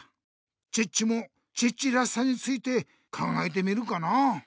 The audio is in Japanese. チッチもチッチらしさについて考えてみるかな。